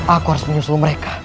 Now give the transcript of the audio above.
aku harus menyusul mereka